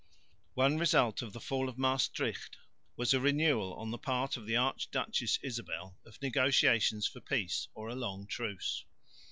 One result of the fall of Maestricht was a renewal on the part of the Archduchess Isabel of negotiations for peace or a long truce.